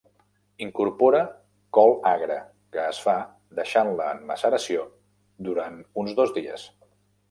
Incorpora col agra que es fa deixant-la en maceració durant uns dos dies.